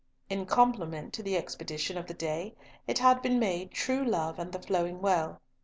In compliment to the expedition of the day it had been made "True love and the Flowing Well."